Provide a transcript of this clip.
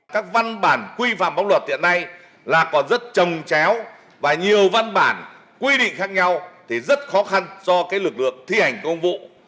các văn bản quy phạm bóc luật hiện nay là còn rất trồng chéo và nhiều văn bản quy định khác nhau thì rất khó khăn cho lực lượng thi hành công vụ